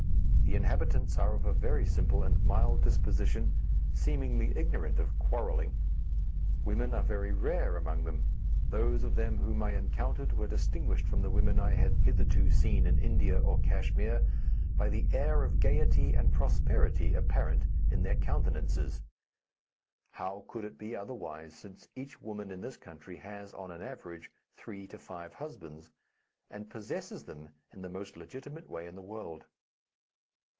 The inhabitants are of a very simple and mild disposition, seemingly ignorant of "quarreling." Women are very rare among them. Those of them whom I encountered were distinguished from the women I had hitherto seen in India or Kachmyr, by the air of gaiety and prosperity apparent in their countenances. How could it be otherwise, since each woman in this country has, on an average, three to five husbands, and possesses them in the most legitimate way in the world.